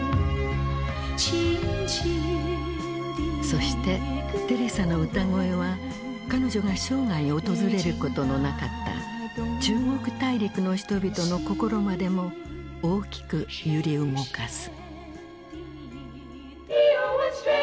そしてテレサの歌声は彼女が生涯訪れることのなかった中国大陸の人々の心までも大きく揺り動かす。